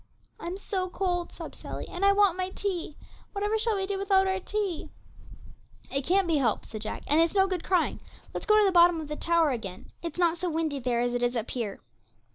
'I'm so cold,' sobbed Sally, 'and I want my tea; whatever shall we do without our tea?' 'It can't be helped,' said Jack, 'and it's no good crying; let's go to the bottom of the tower again, it's not so windy there as it is up here.'